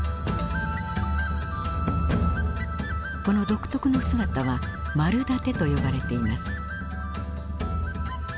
この独特の姿は「丸立て」と呼ばれています。